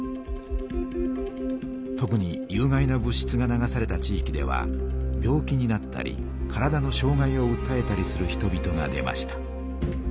特に有害な物しつが流された地いきでは病気になったり体のしょう害をうったえたりする人々が出ました。